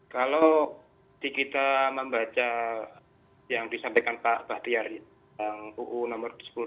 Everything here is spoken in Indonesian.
kalau kita membaca yang disampaikan pak bahtiyari